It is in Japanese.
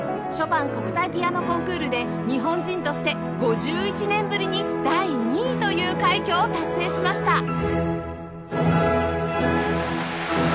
ショパン国際ピアノコンクールで日本人として５１年ぶりに第２位という快挙を達成しました！